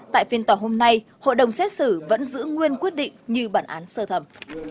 tại phiên tòa hôm nay hội đồng xét xử vẫn giữ nguyên quyết định như bản án sơ thẩm